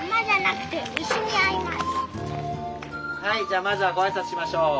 じゃあまずはご挨拶しましょう。